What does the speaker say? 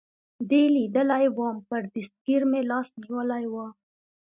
دې لیدلی ووم، پر دستګیر مې لاس نیولی و.